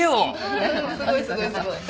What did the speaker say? すごいすごいすごい。